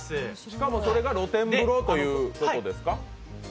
しかもそれが露天風呂ということですか？